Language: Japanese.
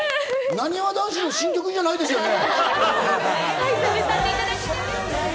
なにわ男子の新曲じゃないですよね？